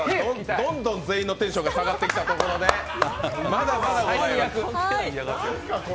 どんどん全員のテンションが下がってきたところでなんすか、これ。